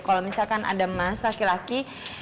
kalau misalkan ada mas laki laki